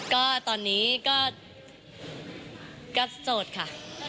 ก็ตอนนี้ก็ก็โจทย์ค่ะ